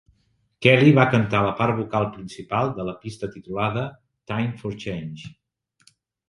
Kelly va cantar la part vocal principal de la pista titulada "Time for Change".